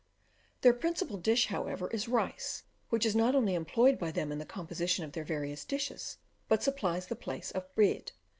Their principal dish, however, is rice, which is not only employed by them in the composition of their various dishes, but supplies the place of bread.